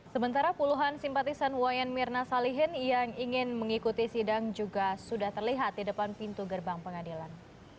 sementara puluhan simpatisan wayan mirna salihin yang ingin mengikuti sidang juga sudah terlihat di depan pintu gerbang pengadilan